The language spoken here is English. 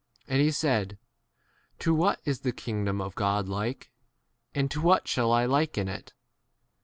13 And he said, To what is the kingdom of God like ? and to what 19 shall I liken it